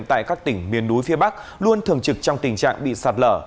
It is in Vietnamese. tại các tỉnh miền núi phía bắc luôn thường trực trong tình trạng bị sạt lở